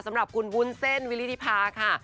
สำหรับคุณวุ้นเส้นวิริธิภาค่ะ